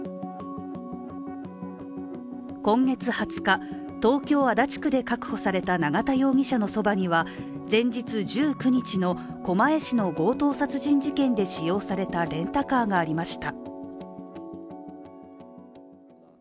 今月２０日、東京・足立区で確保された永田容疑者のそばには、前日１９日の狛江市の強盗殺人事件で使用されたレンタカーがありました。